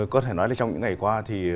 có thể nói trong những ngày qua